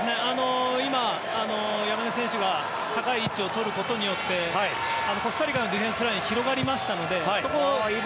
今、山根選手が高い位置を取ることによってコスタリカのディフェンスラインは広がりましたので。